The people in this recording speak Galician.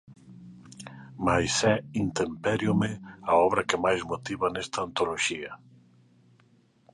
Mais é Intempériome a obra que máis motiva nesta antoloxía.